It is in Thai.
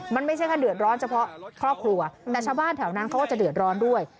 มันไม่ใช่แค่เดือดร้อนเฉพาะครอบครัวแต่ชาวบ้านแถวนั้นเขาก็จะเดือดร้อนด้วย